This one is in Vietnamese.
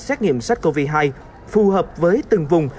xét nghiệm sars cov hai phù hợp với từng vùng